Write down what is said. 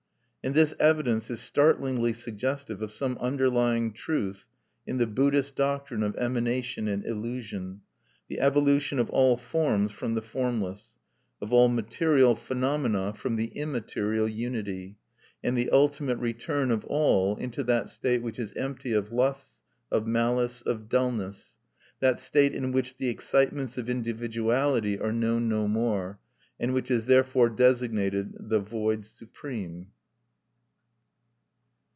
And this evidence is startlingly suggestive of some underlying truth in the Buddhist doctrine of emanation and illusion, the evolution of all forms from the Formless, of all material phenomena from immaterial Unity, and the ultimate return of all into "that state which is empty of lusts, of malice, of dullness, that state in which the excitements of individuality are known no more, and which is therefore designated THE VOID SUPREME."